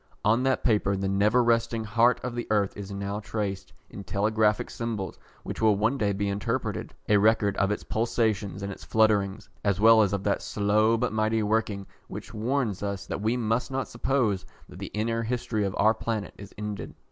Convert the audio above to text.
On that paper the never resting heart of the earth is now tracing, in telegraphic symbols which will one day be interpreted, a record of its pulsations and its flutterings, as well as of that slow but mighty working which warns us that we must not suppose that the inner history of our planet is ended.